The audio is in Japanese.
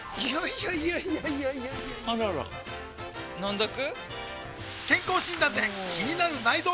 いやいやいやいやあらら飲んどく？